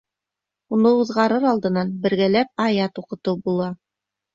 Уны уҙғарыр алдынан бергәләп аят уҡытыу була.